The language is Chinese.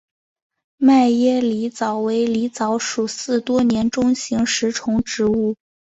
迈耶狸藻为狸藻属似多年中型食虫植物。